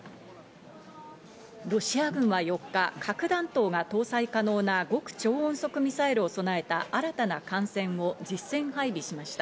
ロシア軍は４日、核弾頭が搭載可能な極超音速ミサイルを備えた新たな艦船を実戦配備しました。